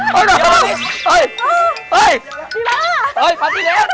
หลีมนะ